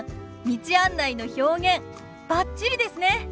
道案内の表現バッチリですね！